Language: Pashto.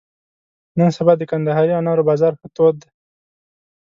نن سبا د کندهاري انارو بازار ښه تود دی.